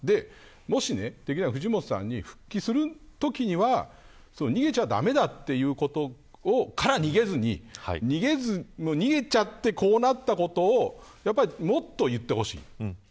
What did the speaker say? もし藤本さんに復帰するときには逃げちゃ駄目だということから逃げずに逃げちゃってこうなったことをもっと言ってほしい。